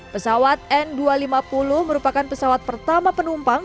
pesawat n dua ratus lima puluh merupakan pesawat pertama penumpang